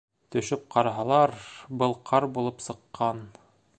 Төшөп ҡараһалар, был ҡар булып сыҡҡан.